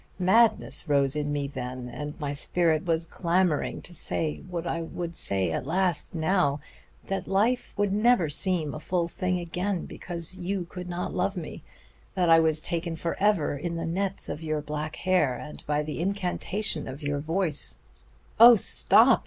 Madness rose in me then, and my spirit was clamoring to say what I say at last now that life would never seem a full thing again because you could not love me, that I was taken forever in the nets of your black hair and by the incantation of your voice " "Oh, stop!"